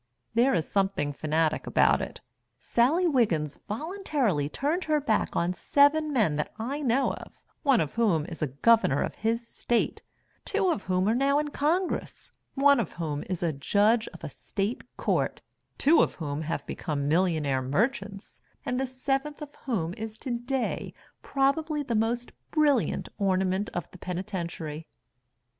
There is something fanatic about it. Sallie Wiggins voluntarily turned her back on seven men that I know of, one of whom is a Governor of his state; two of whom are now in Congress; one of whom is a judge of a state court; two of whom have become millionaire merchants; and the seventh of whom is to day, probably, the most brilliant ornament of the penitentiary.